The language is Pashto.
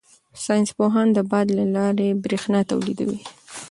ساینس پوهان د باد له لارې بریښنا تولیدوي.